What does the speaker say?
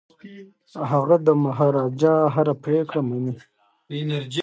هغه د مهاراجا هره پریکړه مني.